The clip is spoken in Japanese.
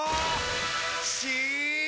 し！